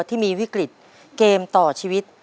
ที่มีวิกฤตเกมต่อชีวิต